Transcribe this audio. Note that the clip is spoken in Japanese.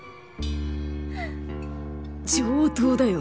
上等だよ！